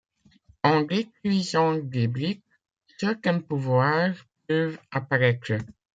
En détruisant des briques, certains pouvoirs peuvent apparaître.